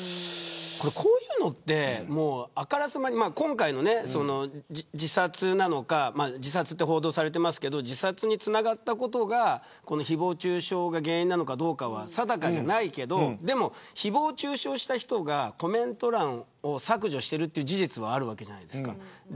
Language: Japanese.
こういうのって、あからさまに今回は自殺と報道されていますけど自殺につながったことが誹謗中傷が原因なのかは定かじゃないけど誹謗中傷した人がコメント欄を削除しているという事実はあるわけじゃないですか。